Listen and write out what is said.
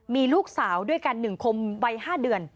มีลูกสาวด้วยกัน๑คนวัย๕เดือน